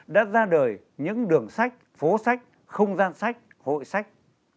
đã ra đời những đường sách phố sách không gian sách hội sách